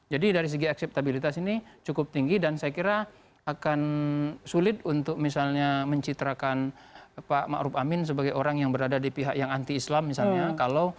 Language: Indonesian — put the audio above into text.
jadi dari segi akseptabilitas ini cukup tinggi dan saya kira akan sulit untuk misalnya mencitrakan pak ma'ruf amin sebagai orang yang berada di pihak yang anti islam misalnya